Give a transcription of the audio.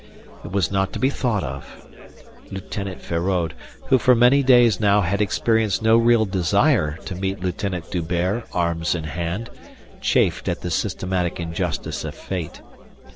It was not to be thought of. Lieutenant Feraud, who for many days now had experienced no real desire to meet Lieutenant D'Hubert arms in hand, chafed at the systematic injustice of fate.